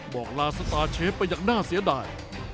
บอกลาสตาร์เชฟไปอย่างน่าเสียดาย